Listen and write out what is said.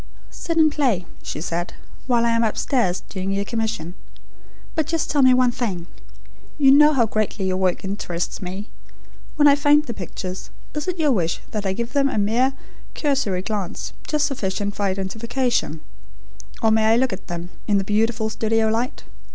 "Sit and play," she said, "while I am upstairs, doing your commission. But just tell me one thing. You know how greatly your work interests me. When I find the pictures, is it your wish that I give them a mere cursory glance, just sufficient for identification; or may I look at them, in the beautiful studio light?